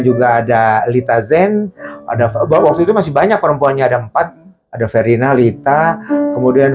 juga ada lita zen ada faba waktu itu masih banyak perempuannya ada empat ada ferdina lita kemudian